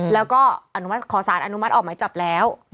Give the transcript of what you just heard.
แล้วก็ขอสารอนุมัติออกไหมจับแล้ว